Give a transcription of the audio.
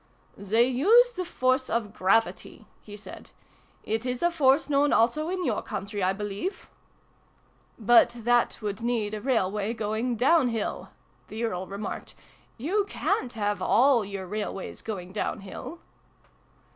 " They use the force of gravity" he said. "It is a force known also in your country, I believe ?"" But that would need a railway going down Jiill" the Earl remarked. " You ca'n't have all your railways going down hill